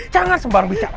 jangan sembarang bicara